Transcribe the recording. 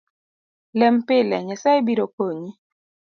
Lem pile ,Nyasae biro konyi